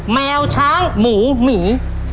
แมวช้างหมูหมี